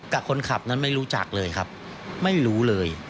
กับคนขับนั้นไม่รู้จักเลยครับไม่รู้เลย